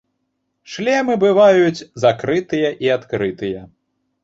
Шлемы бываюць закрытыя і адкрытыя.